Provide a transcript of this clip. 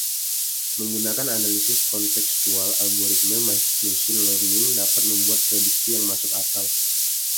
Menggunakan analisis kontekstual, algoritme machine learning dapat membuat prediksi yang masuk akal.